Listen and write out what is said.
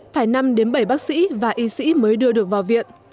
phải năm đến bảy bác sĩ và y sĩ mới đưa được vào viện